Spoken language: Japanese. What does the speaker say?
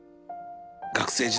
学生時代